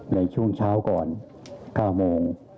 ในช่วงเช้าก่อน๙โมง